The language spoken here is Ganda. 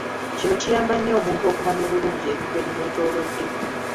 Kino kiyamba nnyo omuntu okumanya obulungi ebintu ebimwetoloodde.